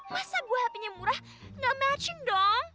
masa gue hpnya murah nggak matching dong